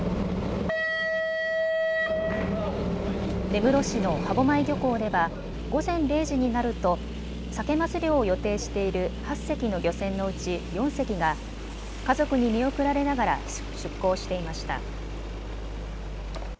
根室市の歯舞漁港では午前０時になるとサケ・マス漁を予定している８隻の漁船のうち４隻が家族に見送られながら出港していました。